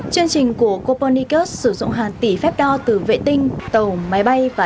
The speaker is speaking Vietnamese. chương trình của copernicus sử dụng hàng tỷ phép đo từ vệ tinh tàu máy bay